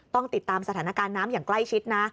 ต้องติดตามสถานการณ์น้ำอย่างใกล้ชิดนะ